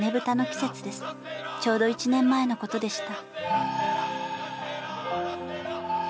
ちょうど１年前の事でした。